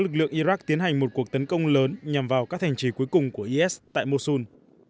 lực lượng iraq tiến hành một cuộc tấn công lớn nhằm vào các thành trì cuối cùng của is tại mosun